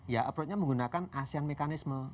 ya approach nya menggunakan asean mekanisme